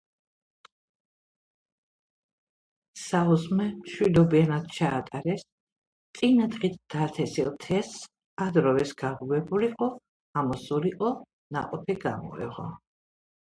საუზმე მშვიდობიანად ჩაატარეს. წინადით დათესილ თესლს ადროვეს გაღვივებულიყო, ამოსულიყო, ნაყოფი გამოეღო.